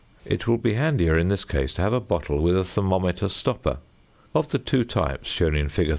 It will be handier in this case to have a bottle with a thermometer stopper. Of the two types shown in fig.